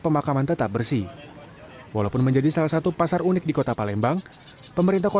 pasar pocong beroperasi setiap hari mulai pagi hingga sore hari